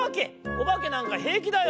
おばけなんかへいきだよ」。